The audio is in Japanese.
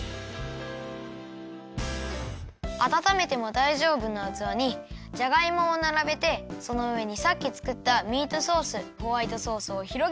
あたためてもだいじょうぶなうつわにじゃがいもをならべてそのうえにさっきつくったミートソースホワイトソースをひろげる！